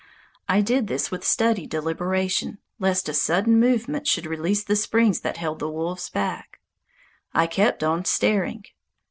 I did this with studied deliberation, lest a sudden movement should release the springs that held the wolves back. I kept on staring.